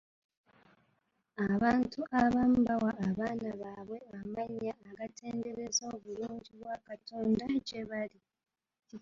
Abantu abamu bawa abaana baabwe amannya agatendereza obulungi bwa Katonda gye bali.